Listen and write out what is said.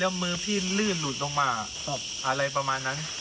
แล้วมือพี่ลื่นหลุดลงมาอะไรประมาณนั้น